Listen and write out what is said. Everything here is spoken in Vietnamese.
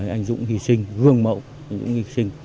anh dũng hy sinh hương mậu hy sinh